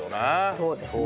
そうですね。